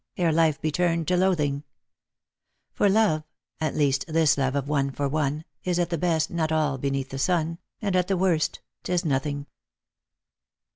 Ere life be turn'd to loathing ; For love— at least, this love of one for one — Is, at the best, not all beneath the sun ; And, at the worst, 'tis nothing."